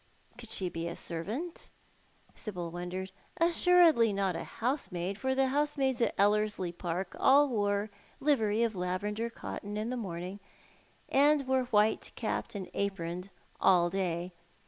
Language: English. Could she be a servant ? Sibyl wondered. Assuredly not a housemaid, for the housemaids at Ellerslie Park all wore a livery of lavender cotton in the morning, and were white capped and aproned all day.